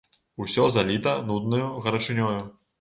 Усё заліта нуднаю гарачынёю.